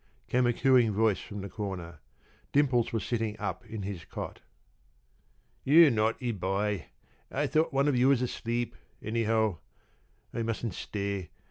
came a cooing voice from the corner. Dimples was sitting up in his cot. "You naughty boy! I thought one of you was asleep, anyhow. I mustn't stay.